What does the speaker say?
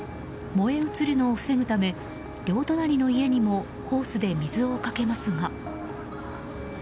燃え移るのを防ぐため両隣の家にもホースで水をかけますが。